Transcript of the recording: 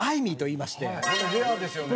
これレアですよね。